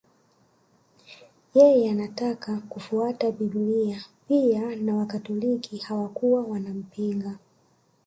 Yeye anataka kufuata Biblia pia na Wakatoliki hawakuwa wanapinga